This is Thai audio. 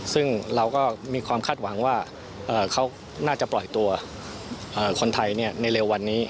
ซึ่งเราก็มีความคาดหวังว่าเขาน่าจะปล่อยตัวคนไทยในเร็ววันนี้